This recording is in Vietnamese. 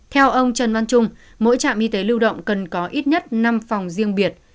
theo ông trần văn trung mỗi trạm y tế lưu động cần có ít nhất năm phòng riêng biệt